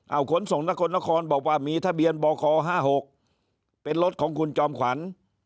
เอาขนส่งนครนครบอกว่ามีทะเบียนบค๕๖เป็นรถของคุณจอมขวัญ